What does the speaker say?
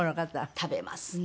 食べますね。